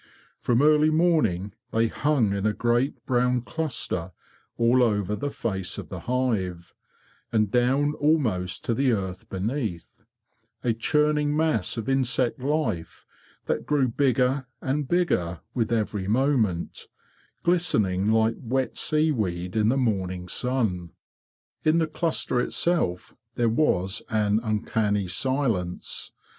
From early morning they hung in a great brown cluster all over the face of the hive, and down almost to the earth beneath; a churning mass of insect life that grew bigger and bigger with every moment, glistening like wet seaweed in the morning stn. In the cluster itself there was an uncanny silence.